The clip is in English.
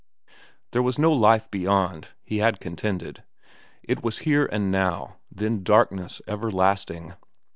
There was no life beyond, he had contended; it was here and now, then darkness everlasting.